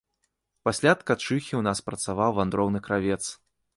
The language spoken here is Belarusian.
Пасля ткачыхі ў нас працаваў вандроўны кравец.